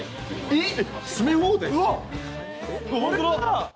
えっ？